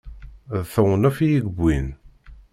D tewnef i yi-yewwin.